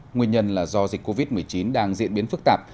nguyên nhân là do dịch covid một mươi chín đang diễn biến phức tạp